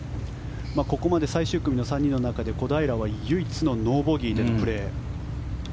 ここまで最終組の３人の中で小平は唯一ノーボギーでプレー。